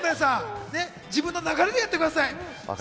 自分の流れでやってください。